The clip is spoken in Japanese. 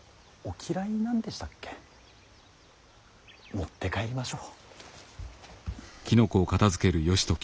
持って帰りましょう。